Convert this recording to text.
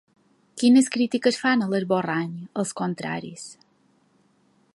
Quines crítiques fan a l’esborrany, els contraris?